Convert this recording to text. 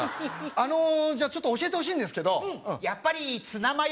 あのじゃちょっと教えてほしいんですけどやっぱりツナマヨ